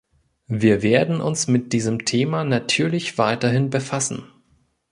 Wir werden uns mit diesem Thema natürlich weiterhin befassen.